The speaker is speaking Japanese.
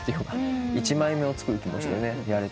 １枚目を作る気持ちでやれて。